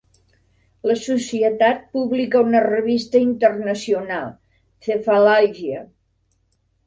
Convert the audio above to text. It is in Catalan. La societat publica una revista internacional, "Cephalalgia".